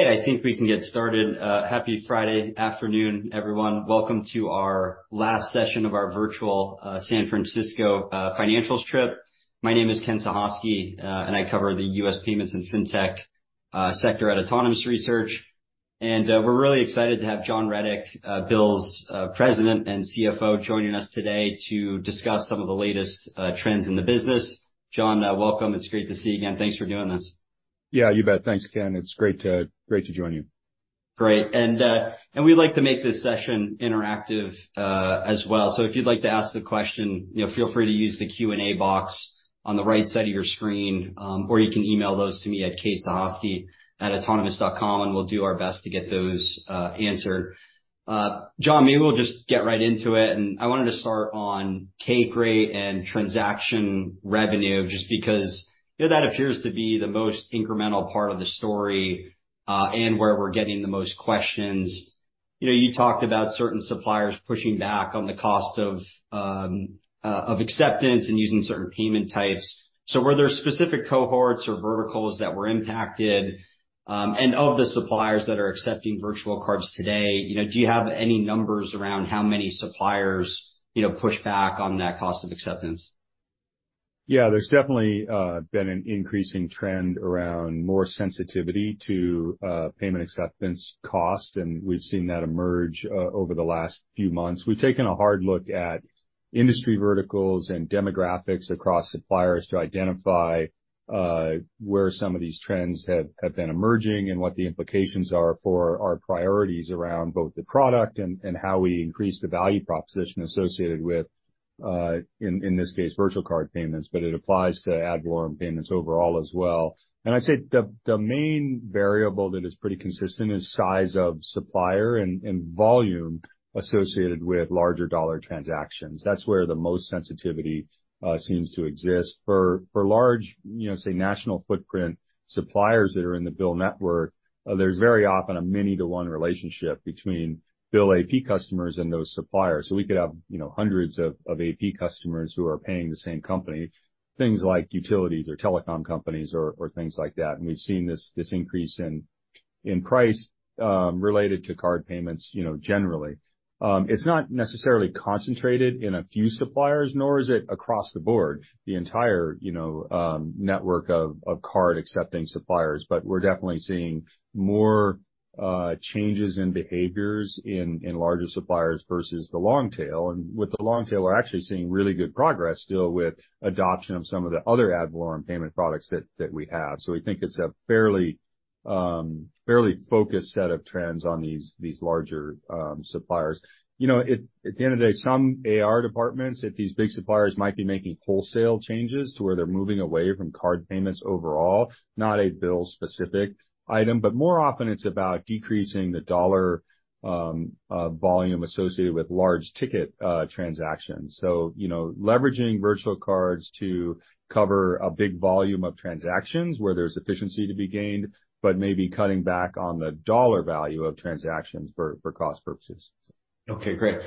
I think we can get started. Happy Friday afternoon, everyone. Welcome to our last session of our virtual San Francisco financials trip. My name is Ken Suchoski, and I cover the U.S. payments and FinTech sector at Autonomous Research. And we're really excited to have John Rettig, BILL's President and CFO, joining us today to discuss some of the latest trends in the business. John, welcome. It's great to see you again. Thanks for doing this. Yeah, you bet. Thanks, Ken. It's great to join you. Great. And we'd like to make this session interactive, as well. So if you'd like to ask the question, you know, feel free to use the Q&A box on the right side of your screen, or you can email those to me at ksuchoski@autonomous.com, and we'll do our best to get those answered. John, maybe we'll just get right into it, and I wanted to start on take rate and transaction revenue, just because, you know, that appears to be the most incremental part of the story, and where we're getting the most questions. You know, you talked about certain suppliers pushing back on the cost of acceptance and using certain payment types. So were there specific cohorts or verticals that were impacted? And of the suppliers that are accepting virtual cards today, you know, do you have any numbers around how many suppliers push back on that cost of acceptance? Yeah, there's definitely been an increasing trend around more sensitivity to payment acceptance cost, and we've seen that emerge over the last few months. We've taken a hard look at industry verticals and demographics across suppliers to identify where some of these trends have been emerging and what the implications are for our priorities around both the product and how we increase the value proposition associated with, in this case, virtual card payments, but it applies to ad valorem payments overall as well. I'd say the main variable that is pretty consistent is size of supplier and volume associated with larger dollar transactions. That's where the most sensitivity seems to exist. For large, you know, say, national footprint suppliers that are in the BILL network, there's very often a many to one relationship between BILL AP customers and those suppliers. So we could have, you know, hundreds of AP customers who are paying the same company, things like utilities or telecom companies or things like that. And we've seen this increase in price related to card payments, you know, generally. It's not necessarily concentrated in a few suppliers, nor is it across the board, the entire, you know, network of card-accepting suppliers. But we're definitely seeing more changes in behaviors in larger suppliers versus the long tail. And with the long tail, we're actually seeing really good progress still with adoption of some of the other ad valorem payment products that we have. So we think it's a fairly focused set of trends on these larger suppliers. You know, at the end of the day, some AR departments at these big suppliers might be making wholesale changes to where they're moving away from card payments overall, not a BILL-specific item, but more often it's about decreasing the dollar volume associated with large ticket transactions. So, you know, leveraging virtual cards to cover a big volume of transactions where there's efficiency to be gained, but maybe cutting back on the dollar value of transactions for cost purposes. Okay, great.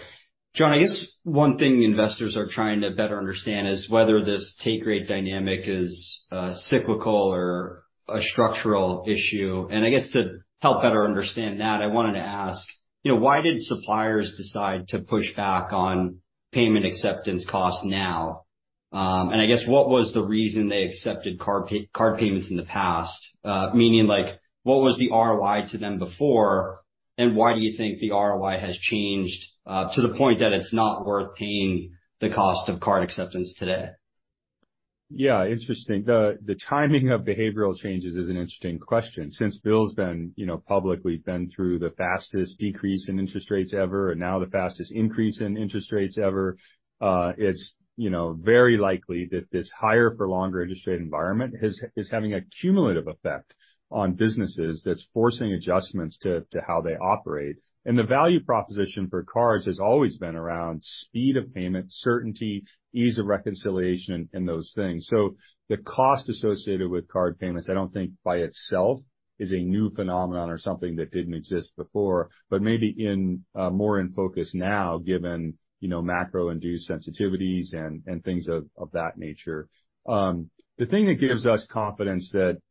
John, I guess one thing investors are trying to better understand is whether this take rate dynamic is cyclical or a structural issue. I guess to help better understand that, I wanted to ask, you know, why did suppliers decide to push back on payment acceptance costs now? And I guess what was the reason they accepted card payments in the past? Meaning like, what was the ROI to them before, and why do you think the ROI has changed to the point that it's not worth paying the cost of card acceptance today? Yeah, interesting. The timing of behavioral changes is an interesting question. Since BILL's been, you know, public, we've been through the fastest decrease in interest rates ever, and now the fastest increase in interest rates ever. It's very likely that this higher for longer interest rate environment is having a cumulative effect on businesses that's forcing adjustments to how they operate. And the value proposition for cards has always been around speed of payment, certainty, ease of reconciliation, and those things. So the cost associated with card payments, I don't think by itself is a new phenomenon or something that didn't exist before, but maybe more in focus now, given, you know, macro-induced sensitivities and things of that nature. The thing that gives us confidence that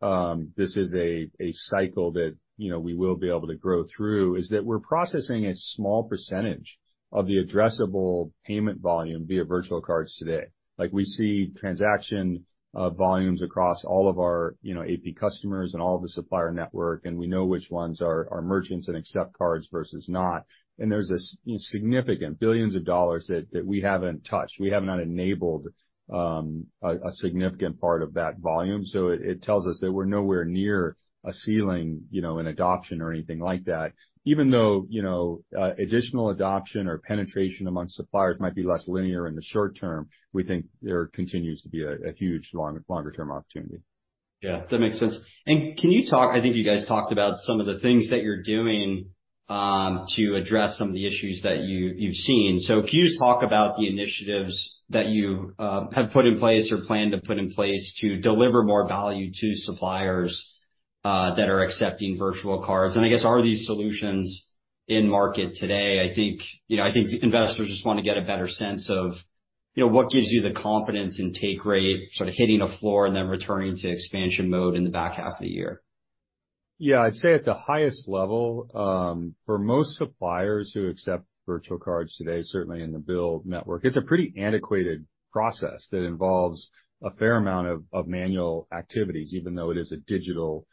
this is a cycle that, you know, we will be able to grow through, is that we're processing a small percentage of the addressable payment volume via virtual cards today. Like, we see transaction volumes across all of our, you know, AP customers and all of the supplier network, and we know which ones are merchants and accept cards versus not. And there's a significant billions of dollars that we haven't touched. We have not enabled a significant part of that volume, so it tells us that we're nowhere near a ceiling, you know, in adoption or anything like that. Even though, you know, additional adoption or penetration among suppliers might be less linear in the short term, we think there continues to be a huge longer term opportunity. Yeah, that makes sense. And can you talk... I think you guys talked about some of the things that you're doing to address some of the issues that you, you've seen. So can you just talk about the initiatives that you have put in place or plan to put in place to deliver more value to suppliers... that are accepting virtual cards? And I guess, are these solutions in market today? I think, you know, I think investors just want to get a better sense of, you know, what gives you the confidence in take rate, sort of hitting a floor and then returning to expansion mode in the back half of the year. Yeah, I'd say at the highest level, for most suppliers who accept virtual cards today, certainly in the BILL network, it's a pretty antiquated process that involves a fair amount of manual activities, even though it is a digital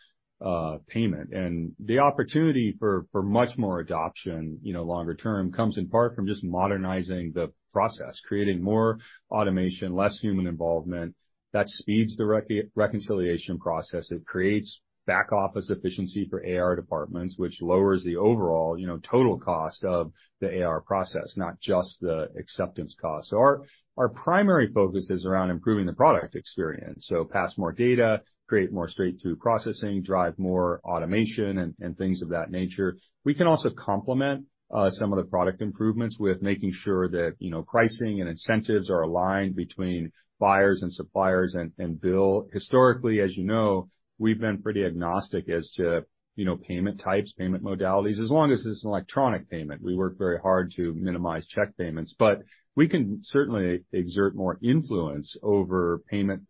payment. And the opportunity for much more adoption, you know, longer term, comes in part from just modernizing the process, creating more automation, less human involvement. That speeds the reconciliation process. It creates back office efficiency for AR departments, which lowers the overall, you know, total cost of the AR process, not just the acceptance cost. So our primary focus is around improving the product experience. So pass more data, create more straight-through processing, drive more automation and things of that nature. We can also complement some of the product improvements with making sure that, you know, pricing and incentives are aligned between buyers and suppliers and BILL. Historically, as you know, we've been pretty agnostic as to, you know, payment types, payment modalities. As long as it's an electronic payment, we work very hard to minimize check payments. But we can certainly exert more influence over payment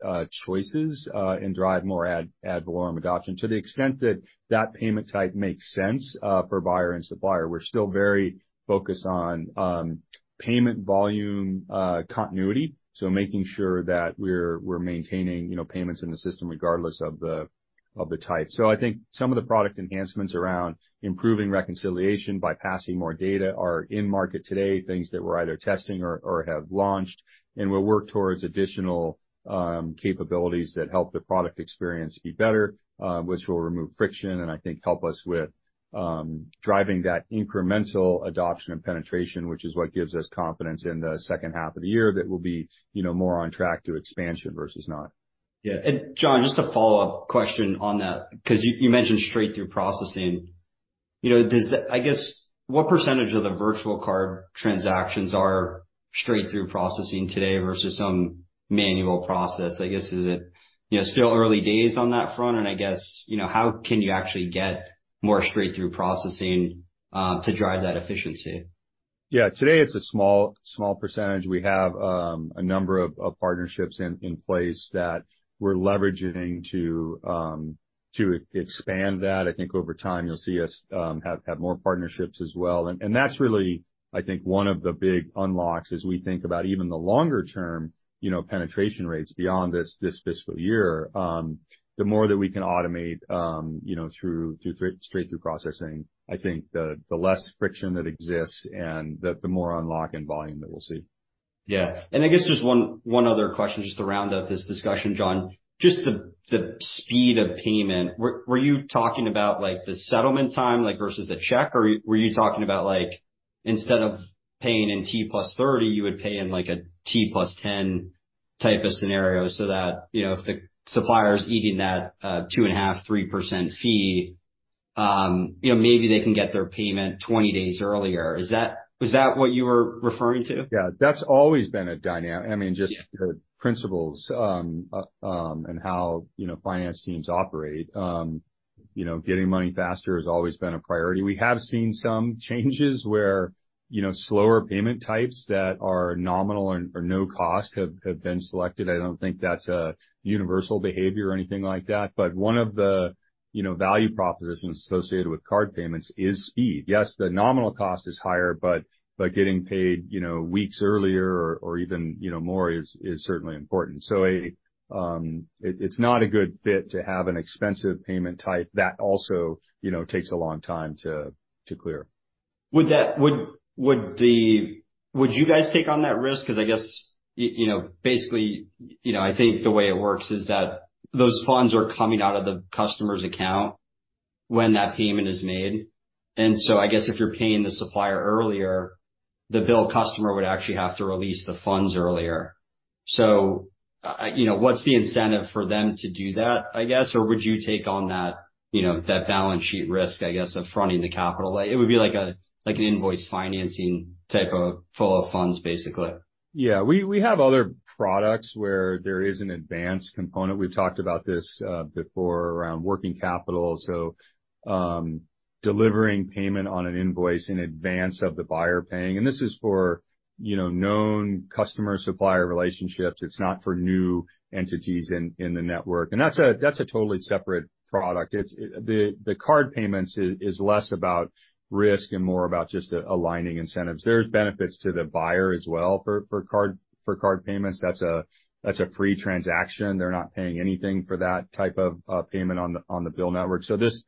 choices and drive more ad valorem adoption to the extent that that payment type makes sense, uh, for buyer and supplier. We're still very focused on payment volume continuity, so making sure that we're maintaining, you know, payments in the system regardless of the type. So I think some of the product enhancements around improving reconciliation by passing more data are in market today, things that we're either testing or have launched, and we'll work towards additional capabilities that help the product experience be better, which will remove friction, and I think help us with driving that incremental adoption and penetration, which is what gives us confidence in the second half of the year that we'll be, you more on track to expansion versus not. Yeah. And John, just a follow-up question on that, because you mentioned straight-through processing. You know, does, I guess, what percentage of the virtual card transactions are straight-through processing today versus some manual process? I guess, is it, you know, still early days on that front? And I guess, you know, how can you actually get more straight-through processing to drive that efficiency? Yeah. Today, it's a small, small percentage. We have a number of partnerships in place that we're leveraging to expand that. I think over time, you'll see us have more partnerships as well. And that's really, I think, one of the big unlocks as we think about even the longer term, you know, penetration rates beyond this fiscal year. The more that we can automate, you know, through straight-through processing, I think the less friction that exists and the more unlock and volume that we'll see. Yeah. And I guess just one, one other question, just to round out this discussion, John. Just the, the speed of payment. Were, were you talking about, like, the settlement time, like, versus the check? Or were you talking about, like, instead of paying in T plus 30, you would pay in like a T plus 10 type of scenario, so that, you know, if the supplier is eating that, 2.5%, 3% fee, you know, maybe they can get their payment 20 days earlier. Is that- was that what you were referring to? Yeah, that's always been a dynamic. I mean, just- Yeah... the principles, and how, you know, finance teams operate, you know, getting money faster has always been a priority. We have seen some changes where, you know, slower payment types that are nominal or no cost have been selected. I don't think that's a universal behavior or anything like that, but one of the, you know, value propositions associated with card payments is speed. Yes, the nominal cost is higher, but getting paid, you know, weeks earlier or even, you know, more is certainly important. So, it's not a good fit to have an expensive payment type that also, you know, takes a long time to clear. Would you guys take on that risk? Because I guess, you know, basically, you know, I think the way it works is that those funds are coming out of the customer's account when that payment is made. And so I guess if you're paying the supplier earlier, the BILL customer would actually have to release the funds earlier. So, you know, what's the incentive for them to do that, I guess? Or would you take on that, you know, that balance sheet risk, I guess, of fronting the capital? It would be like an invoice financing type of flow of funds, basically. Yeah. We have other products where there is an advance component. We've talked about this before, around working capital, so delivering payment on an invoice in advance of the buyer paying. And this is for, you know, known customer-supplier relationships. It's not for new entities in the network, and that's a totally separate product. The card payments is less about risk and more about just aligning incentives. There's benefits to the buyer as well, for card payments. That's a free transaction. They're not paying anything for that type of payment on the BILL network. So this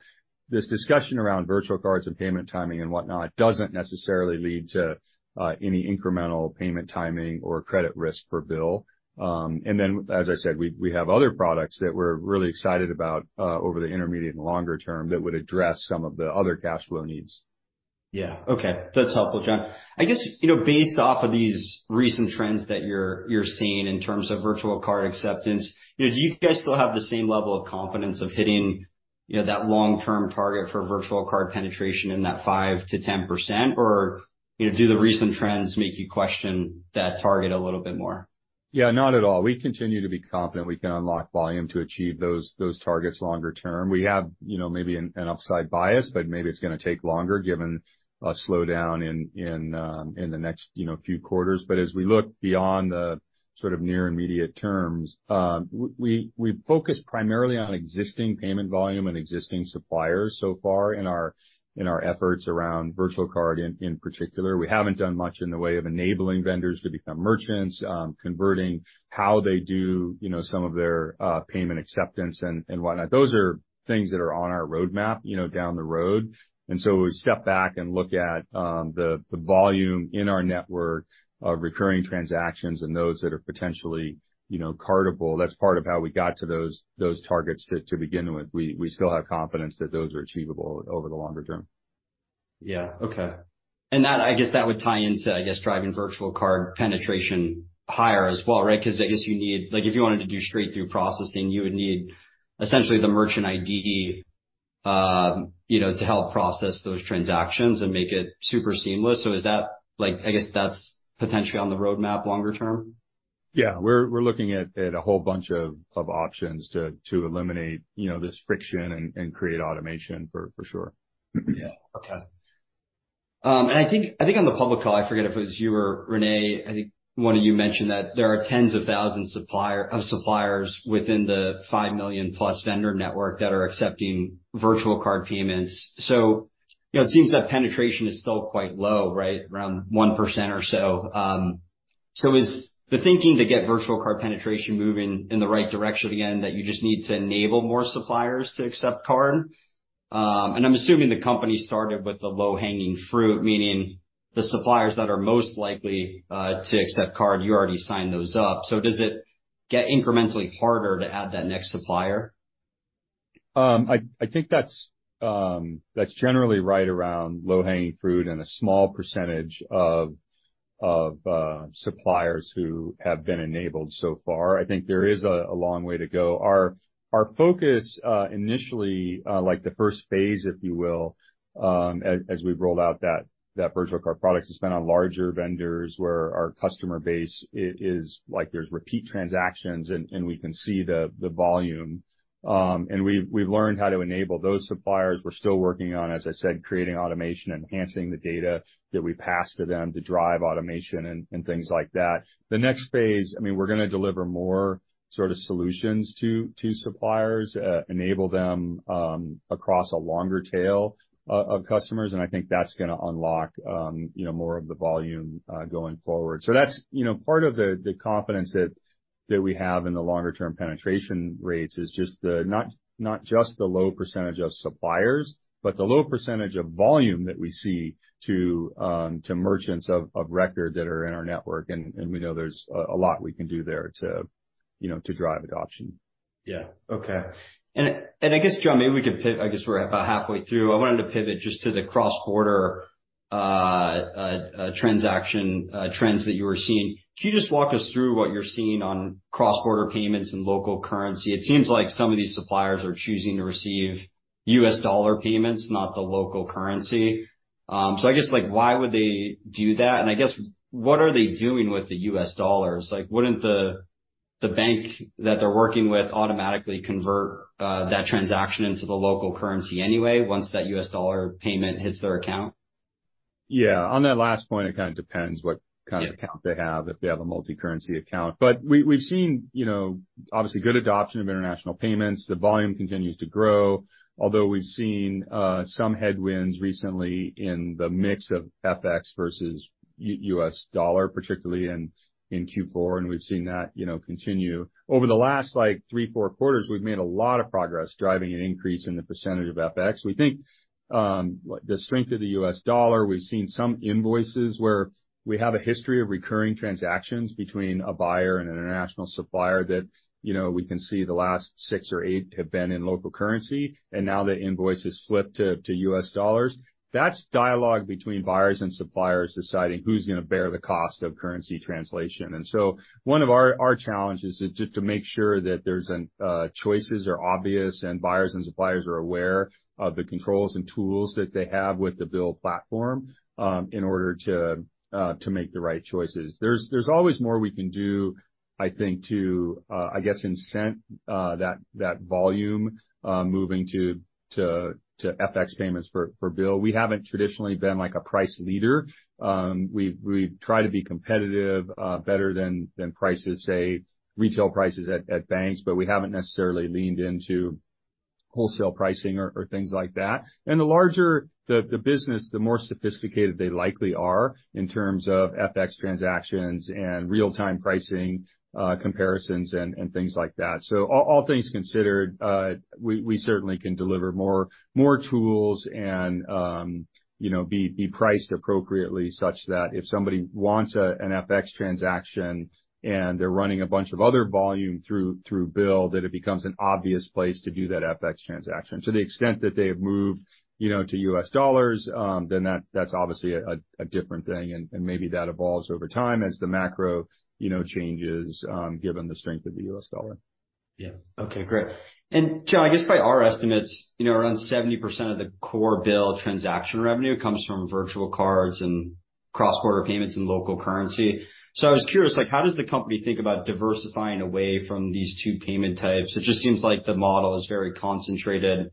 discussion around virtual cards and payment timing and whatnot doesn't necessarily lead to any incremental payment timing or credit risk per BILL. And then, as I said, we have other products that we're really excited about, over the intermediate and longer term, that would address some of the other cash flow needs. Yeah. Okay. That's helpful, John. I guess, you know, based off of these recent trends that you're seeing in terms of virtual card acceptance, you know, do you guys still have the same level of confidence of hitting, you know, that long-term target for virtual card penetration in that 5%-10%? Or, you know, do the recent trends make you question that target a little bit more?... Yeah, not at all. We continue to be confident we can unlock volume to achieve those targets longer term. We have, you know, maybe an upside bias, but maybe it's going to take longer, given a slowdown in the next, you know, few quarters. But as we look beyond the sort of near and immediate terms, we focus primarily on existing payment volume and existing suppliers so far in our efforts around virtual card in particular. We haven't done much in the way of enabling vendors to become merchants, converting how they do, you know, some of their payment acceptance and whatnot. Those are things that are on our roadmap, you know, down the road. So we step back and look at the volume in our network of recurring transactions and those that are potentially, you know, cardable. That's part of how we got to those targets to begin with. We still have confidence that those are achievable over the longer term. Yeah. Okay. And that, I guess that would tie into, I guess, driving virtual card penetration higher as well, right? Because I guess you need—like, if you wanted to do straight-through processing, you would need essentially the merchant ID, you know, to help process those transactions and make it super seamless. So is that like... I guess that's potentially on the roadmap longer term? Yeah, we're looking at a whole bunch of options to eliminate, you know, this friction and create automation for sure. Yeah. Okay. And I think, I think on the public call, I forget if it was you or René, I think one of you mentioned that there are tens of thousands of suppliers within the 5 million-plus vendor network that are accepting virtual card payments. So, you know, it seems that penetration is still quite low, right? Around 1% or so. So is the thinking to get virtual card penetration moving in the right direction again, that you just need to enable more suppliers to accept card? And I'm assuming the company started with the low-hanging fruit, meaning the suppliers that are most likely to accept card, you already signed those up. So does it get incrementally harder to add that next supplier? I think that's generally right around low-hanging fruit and a small percentage of suppliers who have been enabled so far. I think there is a long way to go. Our focus initially, like the first phase, if you will, as we've rolled out that virtual card product, has been on larger vendors, where our customer base is like, there's repeat transactions, and we can see the volume. And we've learned how to enable those suppliers. We're still working on, as I said, creating automation, enhancing the data that we pass to them to drive automation and things like that. The next phase, I mean, we're going to deliver more sort of solutions to, to suppliers, enable them, across a longer tail of customers, and I think that's going to unlock, you know, more of the volume, going forward. So that's, you know, part of the, the confidence that, that we have in the longer term penetration rates is just the, not, not just the low percentage of suppliers, but the low percentage of volume that we see to, to merchants of, of record that are in our network, and, and we know there's a, a lot we can do there to, you know, to drive adoption. Yeah. Okay. And I guess, John, maybe we could—I guess we're about halfway through. I wanted to pivot just to the cross-border transaction trends that you were seeing. Can you just walk us through what you're seeing on cross-border payments and local currency? It seems like some of these suppliers are choosing to receive U.S. dollar payments, not the local currency. So I guess, like, why would they do that? And I guess, what are they doing with the U.S. dollars? Like, wouldn't the bank that they're working with automatically convert that transaction into the local currency anyway, once that U.S. dollar payment hits their account? Yeah. On that last point, it kind of depends what kind of account they have, if they have a multicurrency account. But we, we've seen, you know, obviously good adoption of international payments. The volume continues to grow, although we've seen some headwinds recently in the mix of FX versus U.S. dollar, particularly in Q4, and we've seen that, you know, continue. Over the last, like, three, four quarters, we've made a lot of progress driving an increase in the percentage of FX. We think, the strength of the U.S. dollar, we've seen some invoices where we have a history of recurring transactions between a buyer and an international supplier that, you know, we can see the last six or eight have been in local currency, and now the invoice has flipped to U.S. dollars. That's dialogue between buyers and suppliers, deciding who's going to bear the cost of currency translation. So one of our challenges is just to make sure that choices are obvious and buyers and suppliers are aware of the controls and tools that they have with the BILL platform in order to make the right choices. There's always more we can do, I think, to, I guess, incent that volume moving to FX payments for BILL. We haven't traditionally been, like, a price leader. We've tried to be competitive, better than prices, say, retail prices at banks, but we haven't necessarily leaned into wholesale pricing or things like that. The larger the business, the more sophisticated they likely are in terms of FX transactions and real-time pricing, comparisons and things like that. So all things considered, we certainly can deliver more tools and, you know, be priced appropriately, such that if somebody wants an FX transaction and they're running a bunch of other volume through BILL, that it becomes an obvious place to do that FX transaction. To the extent that they have moved, you know, to U.S. dollars, then that's obviously a different thing, and maybe that evolves over time as the macro, you know, changes, given the strength of the U.S. dollar.... Yeah. Okay, great. And John, I guess by our estimates, you know, around 70% of the core BILL transaction revenue comes from virtual cards and cross-border payments in local currency. So I was curious, like, how does the company think about diversifying away from these two payment types? It just seems like the model is very concentrated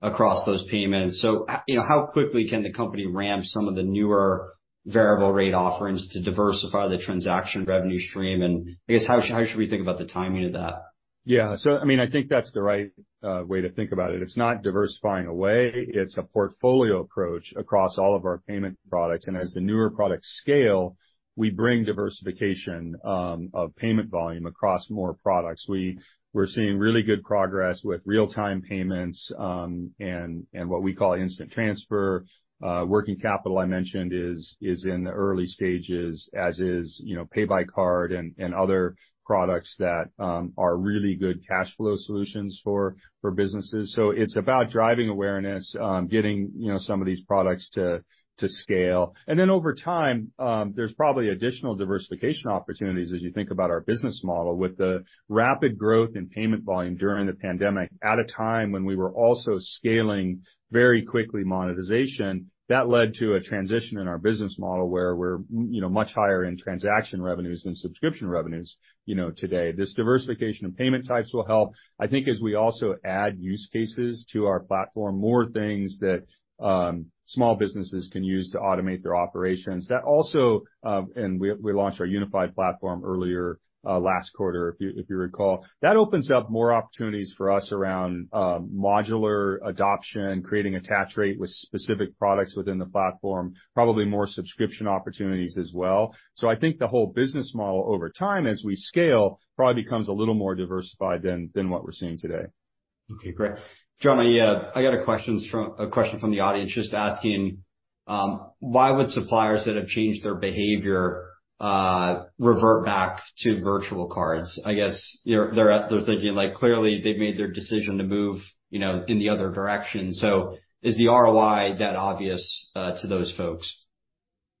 across those payments. So you know, how quickly can the company ramp some of the newer variable rate offerings to diversify the transaction revenue stream? And I guess, how should we think about the timing of that? Yeah. So, I mean, I think that's the right way to think about it. It's not diversifying away; it's a portfolio approach across all of our payment products. And as the newer products scale, we bring diversification of payment volume across more products. We're seeing really good progress with real-time payments, and, and what we call Instant Transfer. Working Capital, I mentioned, is in the early stages, as is, you know, Pay By Card and other products that are really good cash flow solutions for businesses. So it's about driving awareness, getting, you know, some of these products to scale. And then over time, there's probably additional diversification opportunities as you think about our business model. With the rapid growth in payment volume during the pandemic, at a time when we were also scaling very quickly monetization, that led to a transition in our business model, where we're, you know, much higher in transaction revenues than subscription revenues, you know, today. This diversification of payment types will help, I think, as we also add use cases to our platform, more things that, small businesses can use to automate their operations. That also, and we, we launched our unified platform earlier, last quarter, if you, if you recall. That opens up more opportunities for us around, modular adoption, creating attach rate with specific products within the platform, probably more subscription opportunities as well. So I think the whole business model over time, as we scale, probably becomes a little more diversified than, than what we're seeing today. Okay, great. John, I got a question from the audience, just asking, "Why would suppliers that have changed their behavior revert back to virtual cards?" I guess, they're thinking, like, clearly, they've made their decision to move, you know, in the other direction. So is the ROI that obvious to those folks?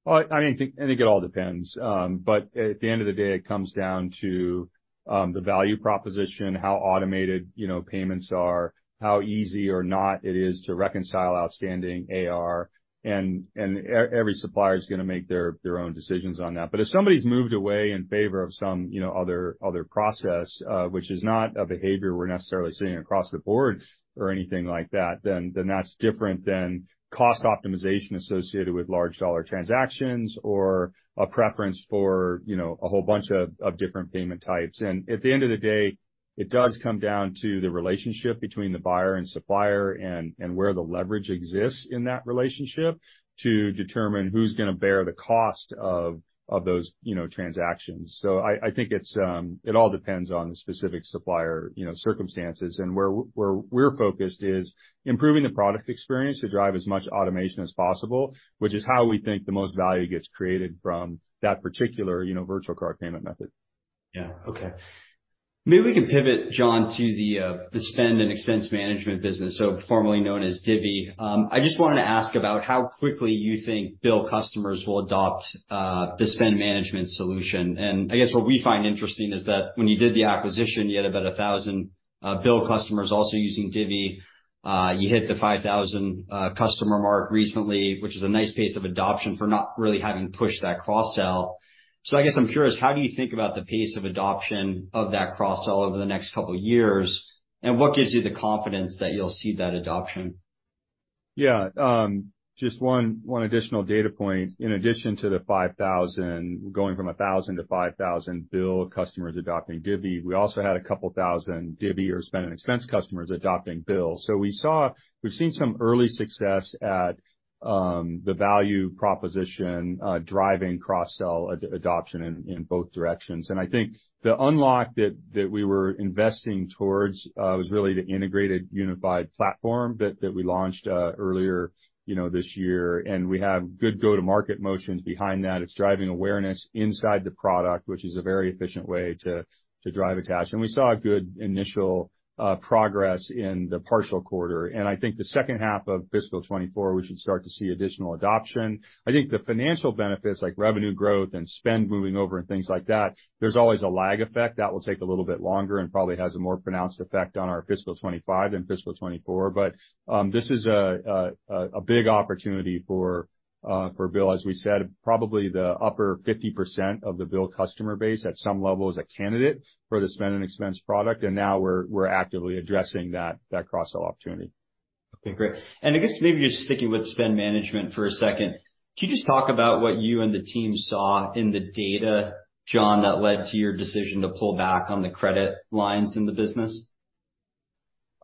Well, I think it all depends. But at the end of the day, it comes down to the value proposition, how automated, you know, payments are, how easy or not it is to reconcile outstanding AR, and every supplier is gonna make their own decisions on that. But if somebody's moved away in favor of some, you know, other process, which is not a behavior we're necessarily seeing across the board or anything like that, then that's different than cost optimization associated with large dollar transactions or a preference for, you know, a whole bunch of different payment types. At the end of the day, it does come down to the relationship between the buyer and supplier and where the leverage exists in that relationship, to determine who's gonna bear the cost of those, you know, transactions. So I think it all depends on the specific supplier, you know, circumstances. Where we're focused is improving the product experience to drive as much automation as possible, which is how we think the most value gets created from that particular, you know, virtual card payment method. Yeah. Okay. Maybe we can pivot, John, to the Spend and Expense management business, so formerly known as Divvy. I just wanted to ask about how quickly you think BILL customers will adopt the spend management solution. And I guess what we find interesting is that when you did the acquisition, you had about 1,000 BILL customers also using Divvy. You hit the 5,000 customer mark recently, which is a nice pace of adoption for not really having pushed that cross-sell. So I guess I'm curious, how do you think about the pace of adoption of that cross-sell over the next couple of years, and what gives you the confidence that you'll see that adoption? Yeah, just one additional data point. In addition to the 5,000, going from 1,000 to 5,000 BILL customers adopting Divvy, we also had a couple thousand Divvy or Spend and Expense customers adopting BILL. So we've seen some early success at the value proposition driving cross-sell adoption in both directions. And I think the unlock that we were investing towards was really the integrated, unified platform that we launched earlier, you know, this year. And we have good go-to-market motions behind that. It's driving awareness inside the product, which is a very efficient way to drive attach. And we saw a good initial progress in the partial quarter. And I think the second half of fiscal 2024, we should start to see additional adoption. I think the financial benefits, like revenue growth and spend moving over and things like that, there's always a lag effect. That will take a little bit longer and probably has a more pronounced effect on our fiscal 2025 than fiscal 2024. But, this is a big opportunity for BILL. As we said, probably the upper 50% of the BILL customer base, at some level, is a candidate for the Spend and Expense product, and now we're actively addressing that cross-sell opportunity. Okay, great. I guess maybe just sticking with spend management for a second, can you just talk about what you and the team saw in the data, John, that led to your decision to pull back on the credit lines in the business?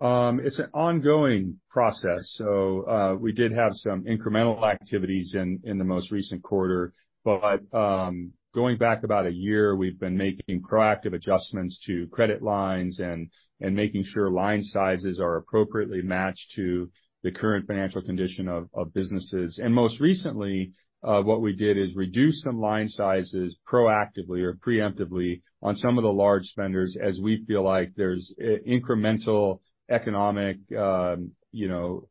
It's an ongoing process, so we did have some incremental activities in the most recent quarter. But going back about a year, we've been making proactive adjustments to credit lines and making sure line sizes are appropriately matched to the current financial condition of businesses. And most recently, what we did is reduce some line sizes proactively or preemptively on some of the large spenders, as we feel like there's incremental economic, you know,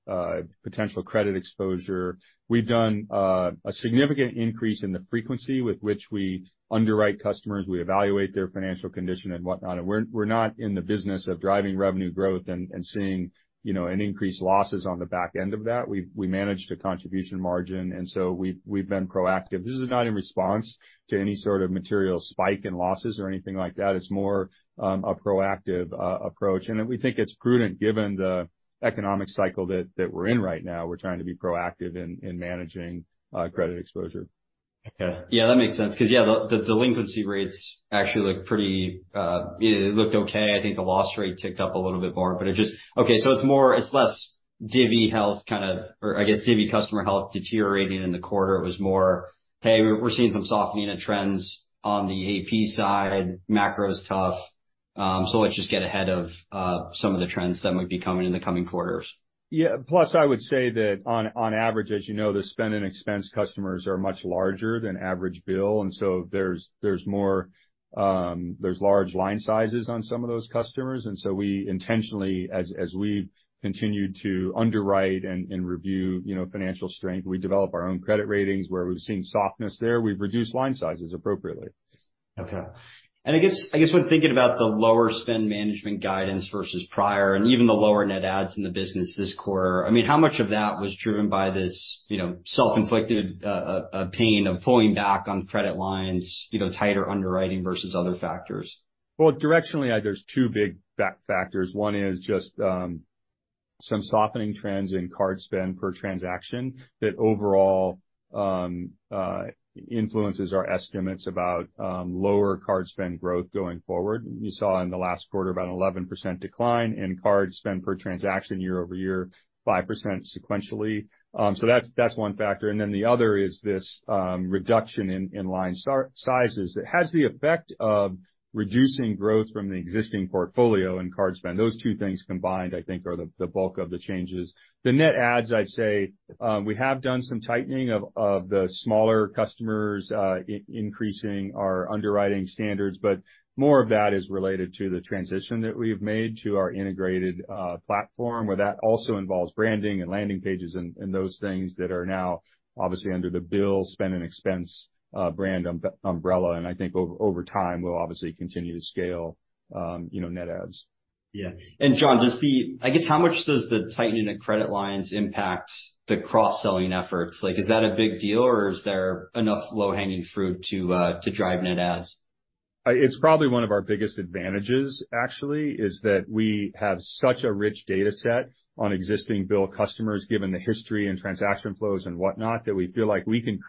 potential credit exposure. We've done a significant increase in the frequency with which we underwrite customers. We evaluate their financial condition and whatnot, and we're not in the business of driving revenue growth and seeing, you know, an increase losses on the back end of that. We managed a contribution margin, and so we've been proactive. This is not in response to any sort of material spike in losses or anything like that. It's more, a proactive approach, and we think it's prudent given the economic cycle that we're in right now. We're trying to be proactive in managing credit exposure. ... Okay. Yeah, that makes sense, because, yeah, the, the delinquency rates actually look pretty, it looked okay. I think the loss rate ticked up a little bit more, but okay, so it's more, it's less Divvy health kind of, or I guess, Divvy customer health deteriorating in the quarter. It was more, "Hey, we're, we're seeing some softening of trends on the AP side. Macro is tough. So let's just get ahead of some of the trends that might be coming in the coming quarters. Yeah. Plus, I would say that on average, as you know, the Spend and Expense customers are much larger than average BILL, and so there's more, there's large line sizes on some of those customers. And so we intentionally, as we've continued to underwrite and review, you know, financial strength, we develop our own credit ratings. Where we've seen softness there, we've reduced line sizes appropriately. Okay. And I guess when thinking about the lower spend management guidance versus prior, and even the lower net adds in the business this quarter, I mean, how much of that was driven by this, you know, self-inflicted pain of pulling back on credit lines, you know, tighter underwriting versus other factors? Well, directionally, there's two big factors. One is just, some softening trends in card spend per transaction, that overall, influences our estimates about, lower card spend growth going forward. You saw in the last quarter, about an 11% decline in card spend per transaction, year-over-year, 5% sequentially. So that's, that's one factor. And then the other is this, reduction in, in line sizes. It has the effect of reducing growth from the existing portfolio and card spend. Those two things combined, I think, are the, the bulk of the changes. The net adds, I'd say, we have done some tightening of, of the smaller customers, increasing our underwriting standards, but more of that is related to the transition that we've made to our integrated platform, where that also involves branding and landing pages and, and those things that are now obviously under the BILL Spend and Expense brand umbrella. I think over, over time, we'll obviously continue to scale, you know, net adds. Yeah. And John, does the... I guess, how much does the tightening of credit lines impact the cross-selling efforts? Like, is that a big deal, or is there enough low-hanging fruit to, to drive net adds? It's probably one of our biggest advantages, actually, is that we have such a rich data set on existing BILL customers, given the history and transaction flows and whatnot, that we feel like we can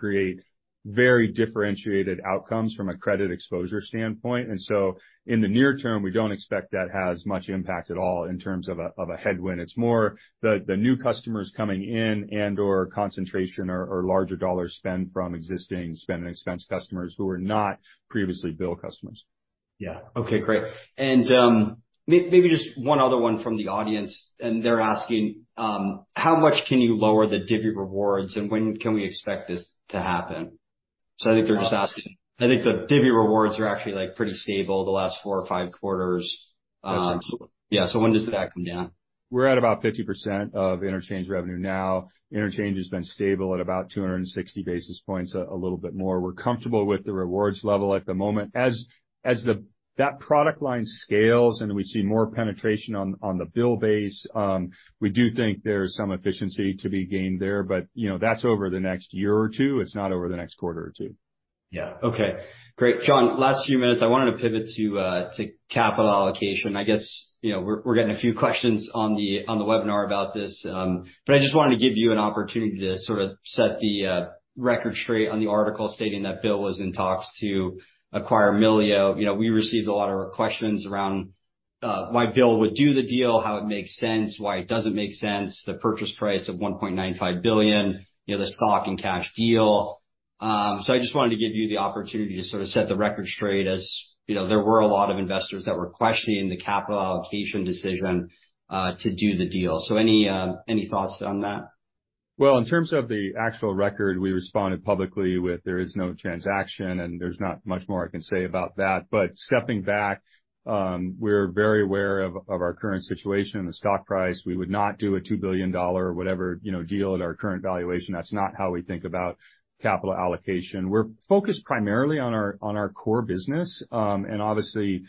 create very differentiated outcomes from a credit exposure standpoint. And so in the near term, we don't expect that has much impact at all in terms of a headwind. It's more the new customers coming in and/or concentration or larger dollar spend from existing Spend and Expense customers who were not previously BILL customers. Yeah. Okay, great. And, maybe just one other one from the audience, and they're asking: How much can you lower the Divvy rewards, and when can we expect this to happen? So I think they're just asking. I think the Divvy rewards are actually, like, pretty stable the last four or five quarters. That's right. Yeah. So when does that come down? We're at about 50% of interchange revenue now. Interchange has been stable at about 260 basis points, a little bit more. We're comfortable with the rewards level at the moment. As that product line scales and we see more penetration on the BILL base, we do think there's some efficiency to be gained there, but, you know, that's over the next year or two. It's not over the next quarter or two. Yeah. Okay, great. John, last few minutes, I wanted to pivot to, to capital allocation. I guess, you know, we're, we're getting a few questions on the, on the webinar about this, but I just wanted to give you an opportunity to sort of set the, record straight on the article stating that BILL was in talks to acquire Melio. You know, we received a lot of questions around, why BILL would do the deal, how it makes sense, why it doesn't make sense, the purchase price of $1.95 billion, you know, the stock and cash deal. So I just wanted to give you the opportunity to sort of set the record straight, as, you know, there were a lot of investors that were questioning the capital allocation decision, to do the deal. So any, any thoughts on that? Well, in terms of the actual record, we responded publicly with, there is no transaction, and there's not much more I can say about that. But stepping back, we're very aware of our current situation and the stock price. We would not do a $2 billion whatever, you know, deal at our current valuation. That's not how we think about capital allocation. We're focused primarily on our core business, and obviously,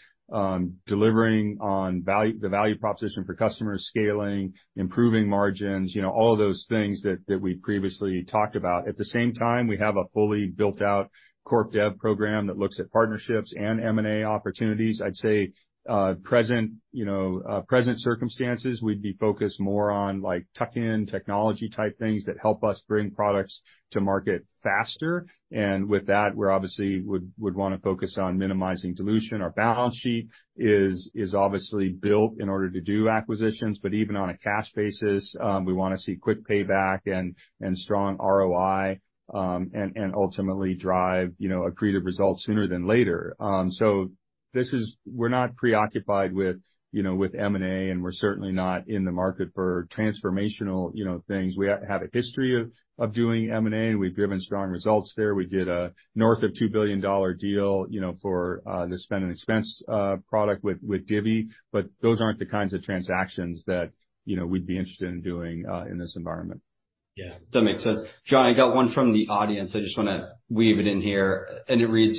delivering on value, the value proposition for customers, scaling, improving margins, you know, all of those things that we previously talked about. At the same time, we have a fully built out corp dev program that looks at partnerships and M&A opportunities. I'd say, present, you know, present circumstances, we'd be focused more on, like, tuck-in technology type things that help us bring products to market faster. And with that, we're obviously would want to focus on minimizing dilution. Our balance sheet is obviously built in order to do acquisitions, but even on a cash basis, we want to see quick payback and strong ROI, and ultimately drive, you know, accretive results sooner than later. So we're not preoccupied with, you know, with M&A, and we're certainly not in the market for transformational, you know, things. We have a history of doing M&A, and we've driven strong results there. We did a north of $2 billion deal, you know, for the Spend and Expense product with Divvy, but those aren't the kinds of transactions that, you know, we'd be interested in doing in this environment. Yeah, that makes sense. John, I got one from the audience. I just wanna weave it in here, and it reads: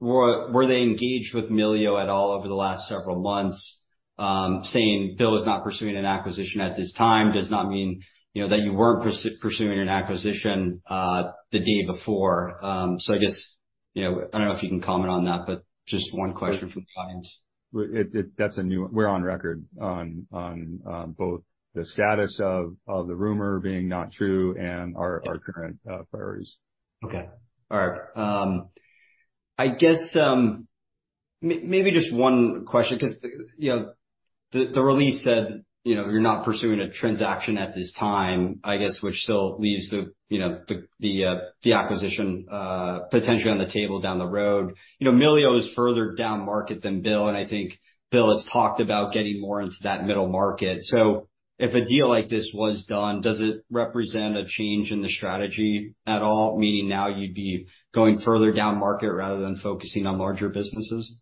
Were they engaged with Melio at all over the last several months? Saying BILL is not pursuing an acquisition at this time does not mean, you know, that you weren't pursuing an acquisition the day before. Yeah, I don't know if you can comment on that, but just one question from the client. Well, that's a new one. We're on record on both the status of the rumor being not true and our current priorities. Okay. All right. I guess, maybe just one question, 'cause, you know, the release said, you know, you're not pursuing a transaction at this time, I guess, which still leaves the, you know, the acquisition potentially on the table down the road. You know, Melio is further down market than Bill, and I think Bill has talked about getting more into that middle market. If a deal like this was done, does it represent a change in the strategy at all? Meaning now you'd be going further down market rather than focusing on larger businesses.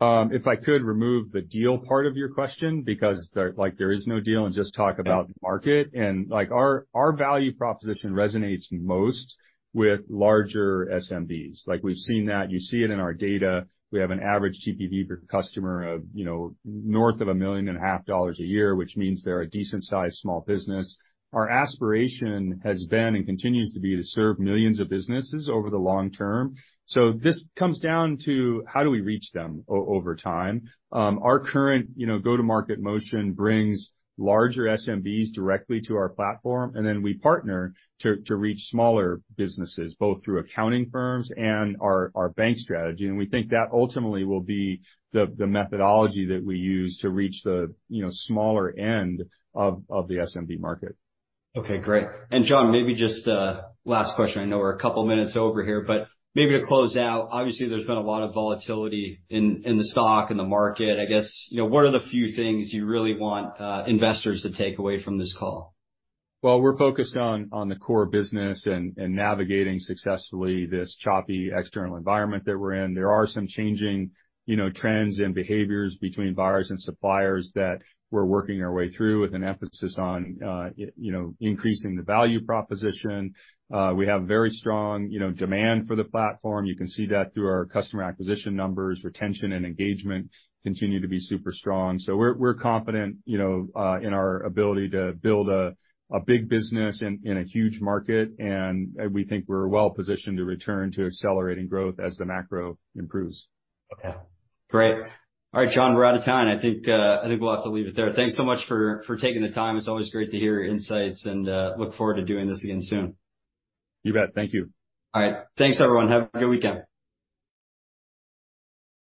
If I could remove the deal part of your question, because there, like, there is no deal, and just talk about market. Like, our value proposition resonates most with larger SMBs. Like, we've seen that. You see it in our data. We have an average TPV per customer of, you know, north of $1.5 million a year, which means they're a decent-sized small business. Our aspiration has been, and continues to be, to serve millions of businesses over the long term. So this comes down to how do we reach them over time? Our current, you know, go-to-market motion brings larger SMBs directly to our platform, and then we partner to reach smaller businesses, both through accounting firms and our bank strategy. We think that ultimately will be the methodology that we use to reach the, you know, smaller end of the SMB market. Okay, great. John, maybe just a last question. I know we're a couple of minutes over here, but maybe to close out, obviously, there's been a lot of volatility in the stock and the market. I guess, you know, what are the few things you really want investors to take away from this call? Well, we're focused on the core business and navigating successfully this choppy external environment that we're in. There are some changing, you know, trends and behaviors between buyers and suppliers that we're working our way through with an emphasis on, you know, increasing the value proposition. We have very strong, you know, demand for the platform. You can see that through our customer acquisition numbers. Retention and engagement continue to be super strong. So we're confident, you know, in our ability to build a big business in a huge market, and we think we're well positioned to return to accelerating growth as the macro improves. Okay, great. All right, John, we're out of time. I think, I think we'll have to leave it there. Thanks so much for, for taking the time. It's always great to hear your insights, and look forward to doing this again soon. You bet. Thank you. All right. Thanks, everyone. Have a good weekend.